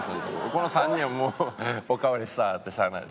この３人はもうおかわりしたくてしゃあないです。